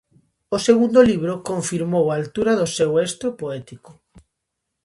O segundo libro confirmou a altura do seu estro poético.